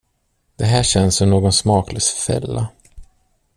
Det här känns som någon smaklös fälla.